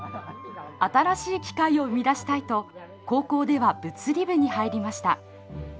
新しい機械を生み出したいと高校では物理部に入りました。